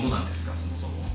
そもそも。